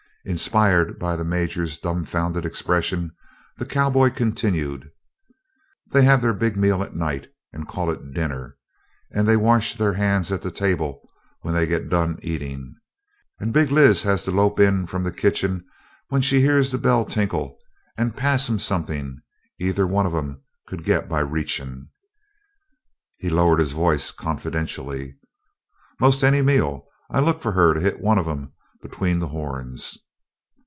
Inspired by the Major's dumbfounded expression, the cowboy continued: "They have their big meal at night and call it dinner, and they wash their hands at the table when they git done eatin', and Big Liz has to lope in from the kitchen when she hears the bell tinkle and pass 'em somethin' either one of 'em could git by reachin'." He lowered his voice confidentially, "Most any meal I look fur her to hit one of 'em between the horns."